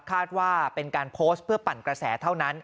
คาดว่าเป็นการโพสต์เพื่อปั่นกระแสเท่านั้น